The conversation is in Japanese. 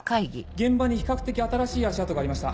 現場に比較的新しい足跡がありました。